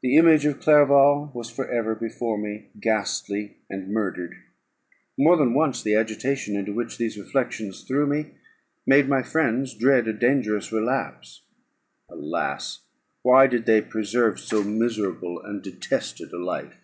The image of Clerval was for ever before me, ghastly and murdered. More than once the agitation into which these reflections threw me made my friends dread a dangerous relapse. Alas! why did they preserve so miserable and detested a life?